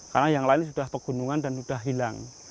karena yang lain sudah pegunungan dan sudah hilang